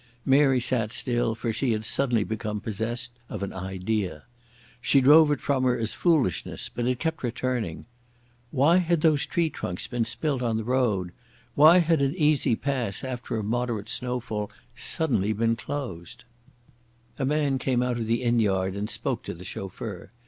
Mary sat still, for she had suddenly become possessed of an idea. She drove it from her as foolishness, but it kept returning. Why had those tree trunks been spilt on the road? Why had an easy pass after a moderate snowfall been suddenly closed? A man came out of the inn yard and spoke to the chauffeur.